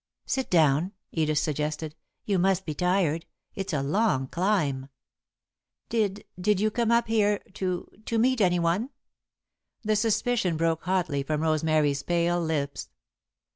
"Sit down," Edith suggested. "You must be tired. It's a long climb." "Did did you come up here to to meet anyone?" The suspicion broke hotly from Rosemary's pale lips.